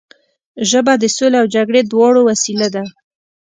ژبه د سولې او جګړې دواړو وسیله ده